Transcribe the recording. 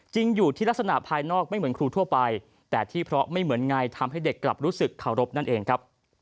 อยู่ที่ลักษณะภายนอกไม่เหมือนครูทั่วไปแต่ที่เพราะไม่เหมือนไงทำให้เด็กกลับรู้สึกเคารพนั่นเองครับ